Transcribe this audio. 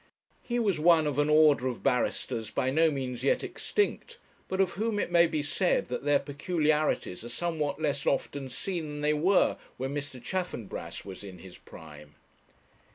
He was one of an order of barristers by no means yet extinct, but of whom it may be said that their peculiarities are somewhat less often seen than they were when Mr. Chaffanbrass was in his prime.